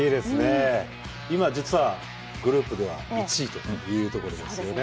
今実はグループでは１位というところですよね。